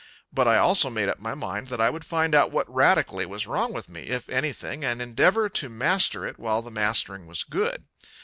But I also made up my mind that I would find out what radically was wrong with me, if anything, and endeavor to master it while the mastering was good.